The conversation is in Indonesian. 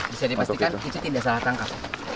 bisa dipastikan itu tidak salah tangkap